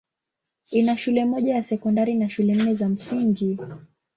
Ina shule moja ya sekondari na shule nne za msingi.